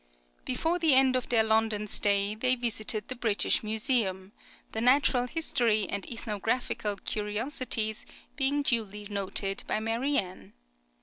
Before the end of their London stay they visited the British Museum, the natural history and ethnographical curiosities being duly noted by Marianne.